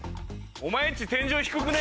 お前んち天井低くね？